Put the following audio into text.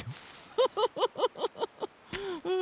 フフフフフ！